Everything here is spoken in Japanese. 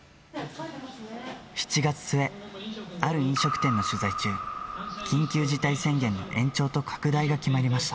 ７月末、ある飲食店の取材中、緊急事態宣言の延長と拡大が決まりました。